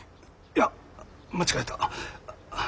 いや間違えた。